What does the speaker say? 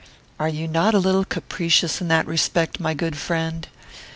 "Are you not a little capricious in that respect, my good friend?